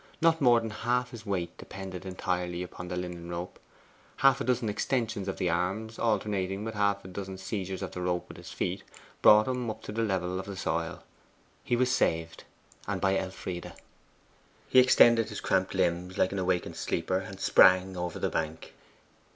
Not more than half his weight depended entirely on the linen rope. Half a dozen extensions of the arms, alternating with half a dozen seizures of the rope with his feet, brought him up to the level of the soil. He was saved, and by Elfride. He extended his cramped limbs like an awakened sleeper, and sprang over the bank.